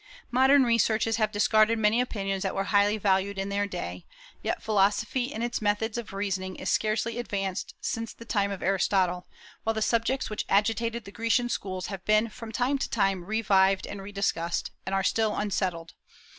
Modern researches have discarded many opinions that were highly valued in their day, yet philosophy in its methods of reasoning is scarcely advanced since the time of Aristotle, while the subjects which agitated the Grecian schools have been from time to time revived and rediscussed, and are still unsettled.